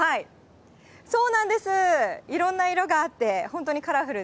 そうなんです、いろんな色があって本当にカラフルで。